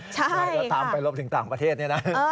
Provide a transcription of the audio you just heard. ใช่แล้วตามไปลบถึงต่างประเทศนี่นะ